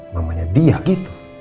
mamanya dia gitu